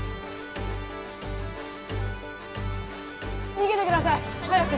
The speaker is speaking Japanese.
にげてください早く！